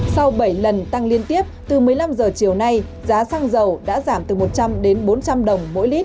sau bảy lần tăng liên tiếp từ một mươi năm giờ chiều nay giá xăng dầu đã giảm từ một trăm linh đồng